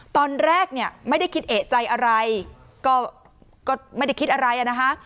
ตอนแรกเนี่ยไม่ได้คิดเอกใจอะไรก็ไม่ได้คิดอะไรนะคะ